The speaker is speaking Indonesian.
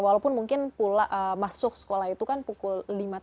walaupun mungkin masuk sekolah itu kan pukul lima tiga puluh